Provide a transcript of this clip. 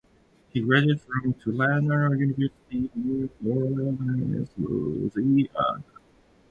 He graduated from Tulane University, New Orleans, Louisiana.